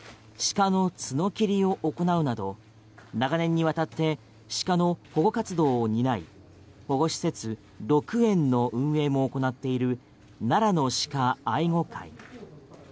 鹿の角切りを行うなど長年にわたって鹿の保護活動を担い保護施設鹿苑の運営も行っている奈良の鹿愛護会。